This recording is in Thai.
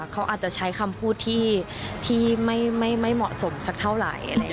เขาอาจจะใช้คำพูดที่ไม่เหมาะสมสักเท่าไหร่